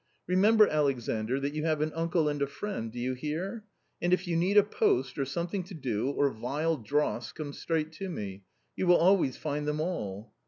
Remember, Alexandr, that you have an uncle and a friend — do you hear ? and if you need a post, or something to do, or vile dross, come straight to me ; you will always find them all."